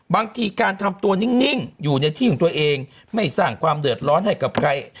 บางทีการทำตัวนิ่งอยู่ในที่ของตัวเองไม่สร้างความเดือดร้อนให้กับใคร